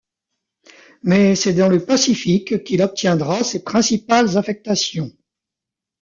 Mais c'est dans le Pacifique qu'il obtiendra ses principales affectations.